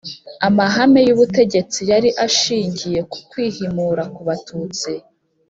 Amahame y’ubutegetsi yari ashingiye ku kwihimura ku batutsi